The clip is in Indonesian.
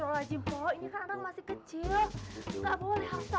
hei sendiri gak matang